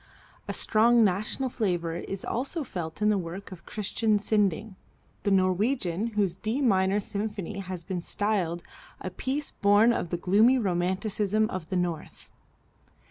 A strong national flavor is also felt in the work of Christian Sinding, the Norwegian, whose D minor symphony has been styled "a piece born of the gloomy romanticism of the North."